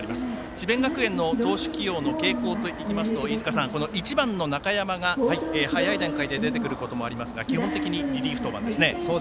智弁学園の投手起用の傾向は１番の中山が早い段階で出てくることもありますが基本的にリリーフ登板ですね。